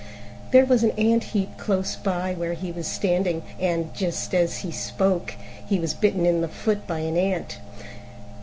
There was an ant heap close by where he was standing, and, just as he spoke, he was bitten in the foot by an Ant.